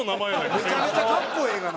めちゃめちゃ格好ええがな。